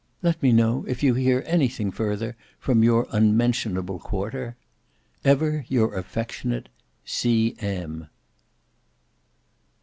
Let me know if you hear anything further from your unmentionable quarter. "Ever your affectionate "C.M."